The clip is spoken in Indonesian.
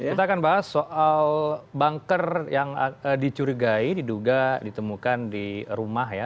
kita akan bahas soal banker yang dicurigai diduga ditemukan di rumah ya